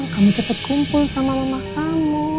kamu cepet kumpul sama mama kamu